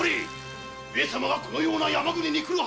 上様がこのような山国に来るはずはない！